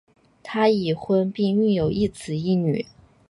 他已婚并育有一子一女。